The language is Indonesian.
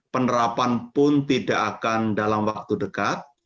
penerapan pun tidak akan dalam waktu dekat